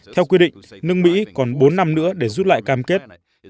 theo quy định nước mỹ còn bốn năm nữa để rút lại cam kết